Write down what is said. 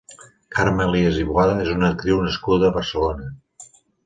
Carme Elias i Boada és una actriu nascuda a Barcelona.